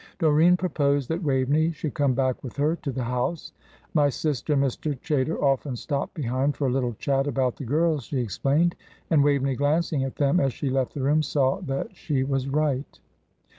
Doreen proposed that Waveney should come back with her to the house. "My sister and Mr. Chaytor often stop behind for a little chat about the girls," she explained. And Waveney, glancing at them as she left the room, saw that she was right.